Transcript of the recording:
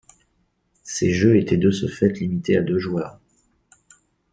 Ces jeux étaient de ce fait limités à deux joueurs.